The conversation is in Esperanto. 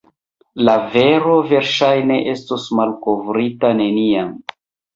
La vero verŝajne estos malkovrita neniam.